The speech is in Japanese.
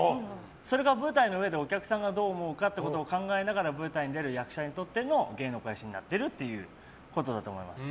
それが舞台の上でお客さんがどう思うかと考えながら舞台に出る役者にとっての芸の肥やしになっているということだと思います。